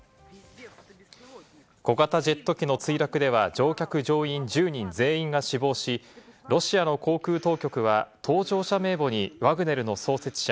小型ジェット機の墜落では乗客・乗員１０人全員が死亡し、ロシアの航空当局は搭乗者名簿にワグネルの創設者